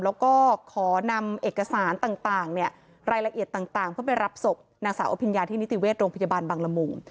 แล้วก็ขอนำเอกสารต่างเนี่ยรายละเอียดต่างเพื่อไปรับศพนางสาวอภิญญาที่นิติเวชโรงพยาบาลบางละมุง